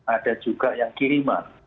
ada juga yang kiriman